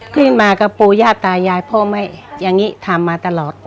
ขึ้นมากับปู่ย่าตายายพ่อแม่อย่างนี้ทำมาตลอด